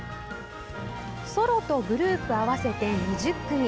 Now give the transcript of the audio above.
ソロとグループ合わせて２０組。